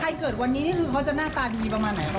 ใครเกิดวันนี้คือเค้าจะหน้าตาดีประมาณไหน